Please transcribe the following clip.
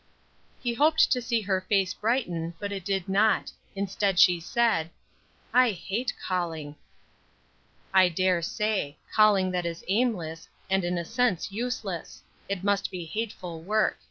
He hoped to see her face brighten, but it did not. Instead she said: "I hate calling." "I dare say; calling that is aimless, and in a sense useless. It must be hateful work.